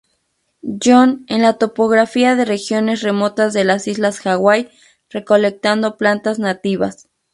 John en la topografía de regiones remotas de las islas Hawái recolectando plantas nativas.